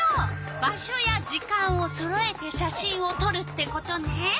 場所や時間をそろえて写真をとるってことね。